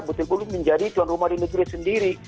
betul betul menjadi tuan rumah di negeri sendiri